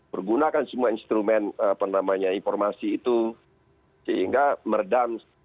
berguna kan semua instrumen informasi itu sehingga meredam